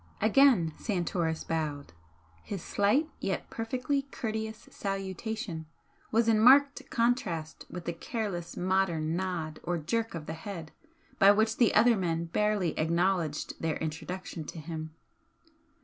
Again Santoris bowed. His slight, yet perfectly courteous salutation, was in marked contrast with the careless modern nod or jerk of the head by which the other men barely acknowledged their introduction to him.